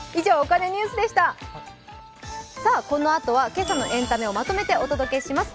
このあとは今朝のエンタメをまとめてお届けします。